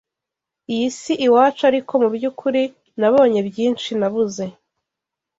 Iyi si iwacu ariko mu byukuri nabonye byinshi nabuze